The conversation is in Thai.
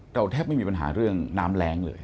แทบไม่มีปัญหาเรื่องน้ำแรงเลย